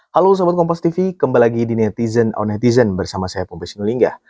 halo sobat kompas tv kembali lagi di netizen on netizen bersama saya pembesinulingga